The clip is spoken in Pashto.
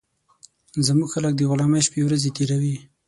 زموږ خلک د غلامۍ شپې ورځي تېروي